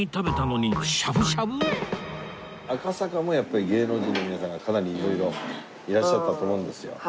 赤坂もやっぱり芸能人の皆さんがかなりいろいろいらっしゃったと思うんですよ。